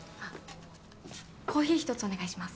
コーヒー１つお願いします。